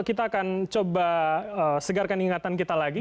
kita akan coba segarkan ingatan kita lagi